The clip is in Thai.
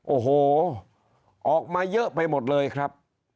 โอ้โหออกมาเยอะไปหมดเลยครับ